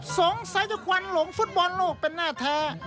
สงสัยจะควันหลงฟุตบอลโลกเป็นหน้าแท้